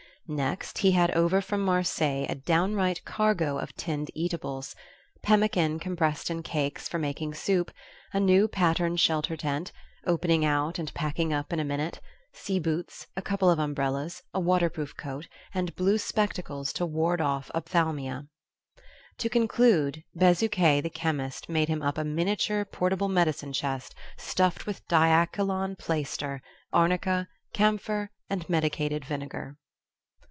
Next, he had over from Marseilles a downright cargo of tinned eatables, pemmican compressed in cakes for making soup, a new pattern shelter tent, opening out and packing up in a minute, sea boots, a couple of umbrellas, a waterproof coat, and blue spectacles to ward off ophthalmia. To conclude, Bezuquet the chemist made him up a miniature portable medicine chest stuffed with diachylon plaister, arnica, camphor, and medicated vinegar.